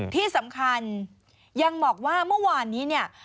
ที่สำคัญยังบอกว่าเมื่อวานนี้เนี่ย